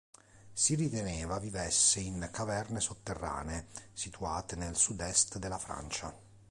Si riteneva vivesse in caverne sotterranee situate nel sud-est della Francia.